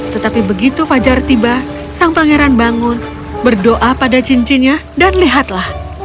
tetapi begitu fajar tiba sang pangeran bangun berdoa pada cincinnya dan lihatlah